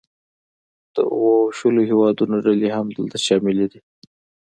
د اوو او شلو هیوادونو ډلې هم دلته شاملې دي